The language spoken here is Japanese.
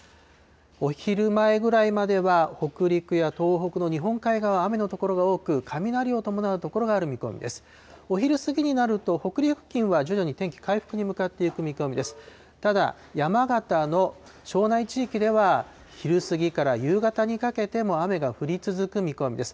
お昼前ぐらいまでは、北陸や東北の日本海側、雨の所が多く、雷を伴う所がある見込みです。